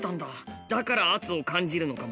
だから圧を感じるのかも。